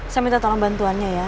saya minta tolong bantuannya ya